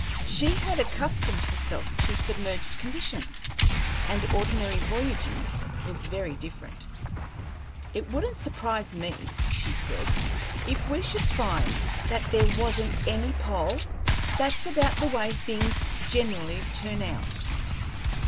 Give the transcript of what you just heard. She had accustomed herself to submerged conditions, and ordinary voyaging was very different. "It wouldn't surprise me," she said, "if we should find that there wasn't any pole; that's about the way these things generally turn out."